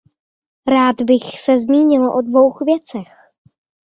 Rád bych se zmínil o dvou věcech.